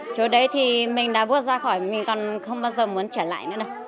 chỗ đấy thì mình đã bước ra khỏi mình còn không bao giờ muốn trở lại nữa đâu